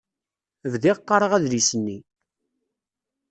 Bdiɣ qqareɣ adlis-nni.